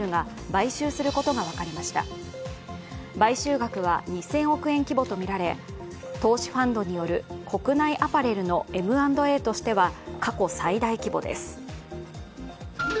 買収額は２０００億円規模とみられ投資ファンドによる国内アパレルのＭ＆Ａとしては過去最大規模です。